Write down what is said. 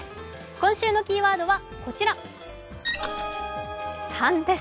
今週のキーワードはこちら「３」です。